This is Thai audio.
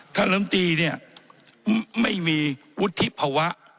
ลำตีเนี่ยไม่มีวุฒิภาวะ